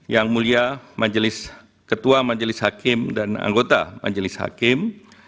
yang mulia ketua majelis hakim dan anggota majelis hakim